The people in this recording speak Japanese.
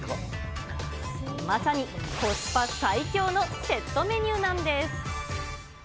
まさにコスパ最強のセットメニューなんです。